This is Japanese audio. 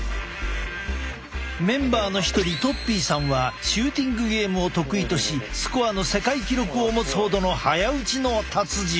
メンバーの一人とっぴーさんはシューティングゲームを得意としスコアの世界記録を持つほどの早撃ちの達人。